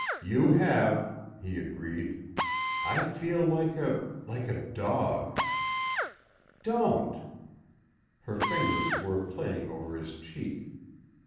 "You have," he agreed. "I feel like a ... like a dog." "Don't...." Her fingers were playing over his cheek.